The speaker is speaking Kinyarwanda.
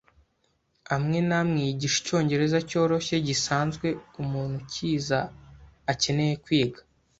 amwe n amwe yigisha Icyongereza cyoroshye gisanzwe umuntu ukiza akeneye kwiga